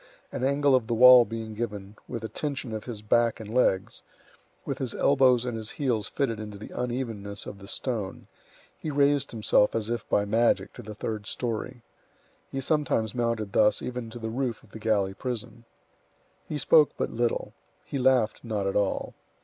An angle of the wall being given, with the tension of his back and legs, with his elbows and his heels fitted into the unevenness of the stone, he raised himself as if by magic to the third story. He sometimes mounted thus even to the roof of the galley prison. He spoke but little. He laughed not at all.